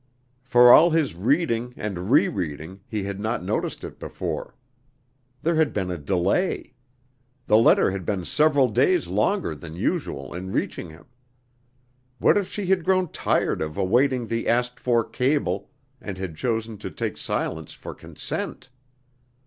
For all his reading and re reading he had not noticed it before. There had been a delay. The letter had been several days longer than usual in reaching him. What if she had grown tired of awaiting the asked for cable, and had chosen to take silence for consent?